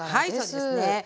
はいそうですね。